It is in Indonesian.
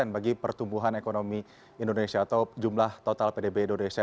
bagi pertumbuhan ekonomi indonesia atau jumlah total pdb indonesia